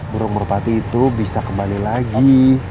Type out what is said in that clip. burung merpati itu bisa kembali lagi